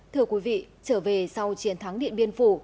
thưa quý vị trở về sau chiến thắng điện biên phủ